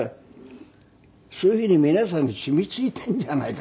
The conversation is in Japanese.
そういうふうに皆さんに染みついているんじゃないかな